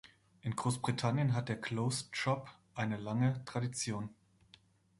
In Großbritannien hat der Closed Shop eine lange Tradition.